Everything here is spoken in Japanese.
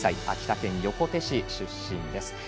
秋田県横手市出身です。